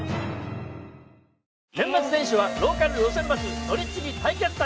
年末年始は「ローカル路線バス乗り継ぎ対決旅」。